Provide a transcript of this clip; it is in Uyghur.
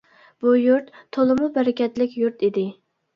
بۇ يۇرت تولىمۇ بەرىكەتلىك يۇرت ئىدى.